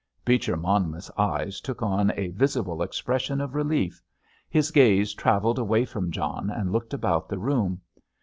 Beecher Monmouth's eyes took on a visible expression of relief; his gaze travelled away from John and looked about the room.